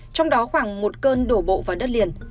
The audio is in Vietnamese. trong đó khoảng một cơn đổ bộ vào đất liền